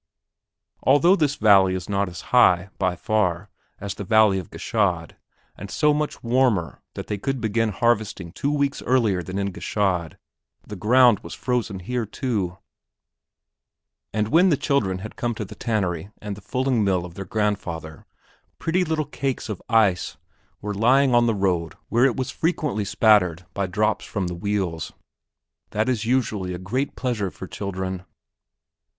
Although this valley is not as high, by far, as the valley of Gschaid and so much warmer that they could begin harvesting two weeks earlier than in Gschaid, the ground was frozen here too; and when the children had come to the tannery and the fulling mill of their grandfather, pretty little cakes of ice were lying on the road where it was frequently spattered by drops from the wheels. That is usually a great pleasure for children.